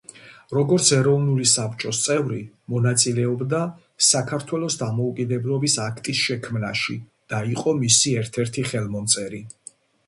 როგორც ეროვნული საბჭოს წევრი, მონაწილეობდა საქართველოს დამოუკიდებლობის აქტის შექმნაში და იყოს მისი ერთ-ერთი ხელმომწერი.